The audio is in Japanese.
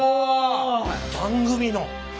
番組の！